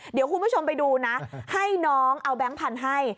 เดี๋ยวคุณผู้ชมไปดูนะให้น้องเอาแบงค์พันธุ์ให้